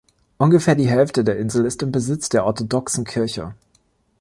Ungefähr die Hälfte der Insel ist im Besitz der Orthodoxen Kirche.